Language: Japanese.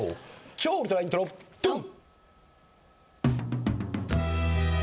超ウルトライントロドン！